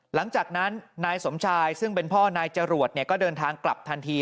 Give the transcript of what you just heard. หลังจากนั้นนายสมชายซึ่งเป็นพ่อนายจรวดก็เดินทางกลับทันที